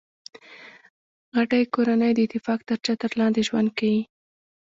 غټۍ کورنۍ د اتفاق تر چتر لاندي ژوند کیي.